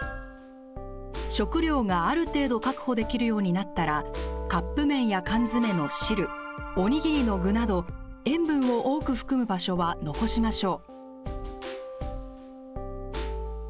食料がある程度確保できるようになったらカップ麺や缶詰の汁おにぎりの具など塩分を多く含む場所は残しましょう。